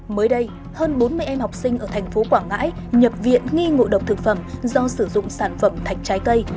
mới đây hơn bốn mươi em học sinh ở thành phố quảng ngãi nhập viện nghi ngộ độc thực phẩm do sử dụng sản phẩm thạch trái cây